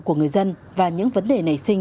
của người dân và những vấn đề nảy sinh